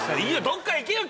どっか行けよ。